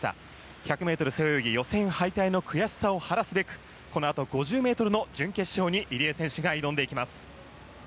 １００ｍ背泳ぎ予選敗退の悔しさを晴らすべくこのあと５０ｍの準決勝に入江選手が挑んでいきます。